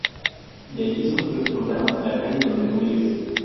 De allí surgió su programa La calle donde tú vives.